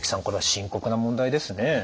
これは深刻な問題ですね。